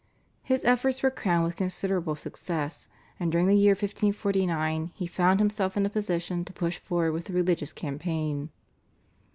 His efforts were crowned with considerable success, and during the year 1549 he found himself in a position to push forward with the religious campaign.